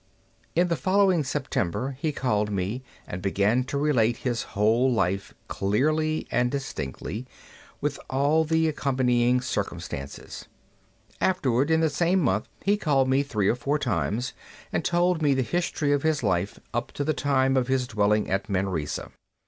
In the following September he called me, and began to relate his whole life clearly and distinctly with all the accompanying circumstances. Afterward, in the same month, he called me three or four times, and told me the history of his life up to the time of his dwelling at Manresa.